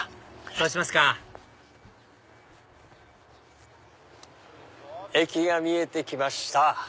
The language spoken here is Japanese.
そうしますか駅が見えてきました。